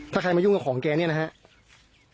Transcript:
ถ้าใครมายุ่งกับของแกเนี่ยนะครับ